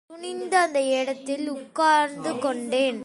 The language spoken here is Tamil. துணிந்து அந்த இடத்தில் உட்கார்ந்து கொண்டேன்.